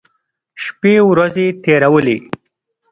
شپې ورځې تېرولې.